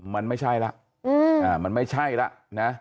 มันไม่ใช่ละมันไม่ใช่ละนะ